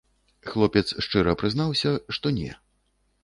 Хлопец шчыра прызнаўся, што не.